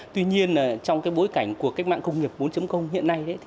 tuy nhiên trong bối cảnh của cách mạng công nghiệp bốn hiện nay